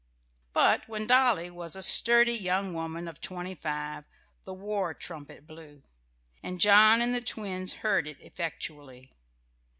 But when Dolly was a sturdy young woman of twenty five the war trumpet blew, and John and the twins heard it effectually.